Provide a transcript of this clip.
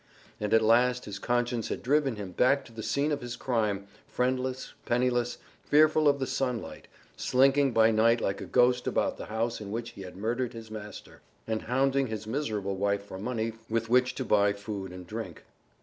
And at last his conscience had driven him back to the scene of his crime, friendless, penniless, fearful of the sunlight, slinking by night like a ghost about the house in which he had murdered his master, and hounding his miserable wife for money with which to buy food and drink.